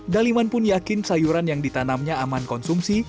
daliman pun yakin sayuran yang ditanamnya aman konsumsi